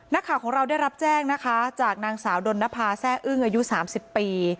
นักข่าวของเราได้รับแจ้งนะคะจากนางสาวดนภาแซ่อึ้งอายุ๓๐ปี